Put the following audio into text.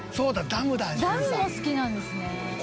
「ダムも好きなんですね」